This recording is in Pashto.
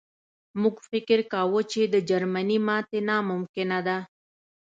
موږ فکر کاوه چې د جرمني ماتې ناممکنه ده